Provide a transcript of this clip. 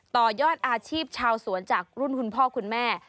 ต่อยอดอาชีพชาวสวนจากรุ่นคุณพ่อคุณแม่